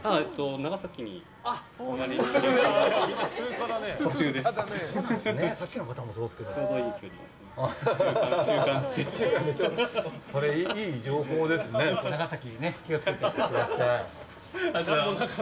長崎に気を付けて行ってください。